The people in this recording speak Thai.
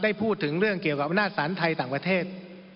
พูดถึงเรื่องเกี่ยวกับอำนาจสารไทยต่างประเทศ